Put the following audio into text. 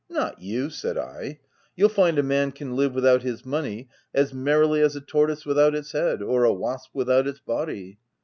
"' Not you !' said I. ' You'll find a man can live without his money as merrily as a tor toise without its head, or a wasp without its body.'